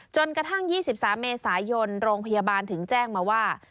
จนกระทั่ง๒๓เมษายนโรงพยาบาลถึงแจ้งมาว่า